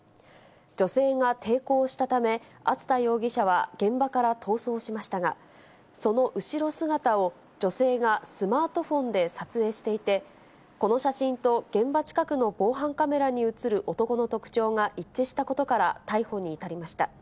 女性が抵抗したため、熱田容疑者は現場から逃走しましたが、その後ろ姿を女性がスマートフォンで撮影していて、この写真と現場近くの防犯カメラに写る男の特徴が一致したことから逮捕に至りました。